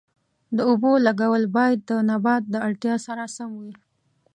د اوبو لګول باید د نبات د اړتیا سره سم وي.